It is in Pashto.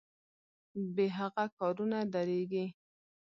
بې هغه کارونه دریږي.